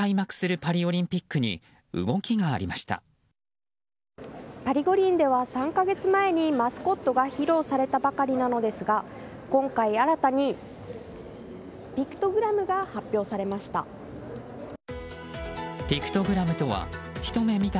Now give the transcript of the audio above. パリ五輪では３か月前にマスコットが披露されたばかりなのですが今回新たにピクトグラムが発表されました。